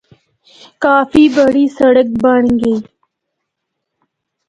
کافی بڑی سڑک بنڑ گئی۔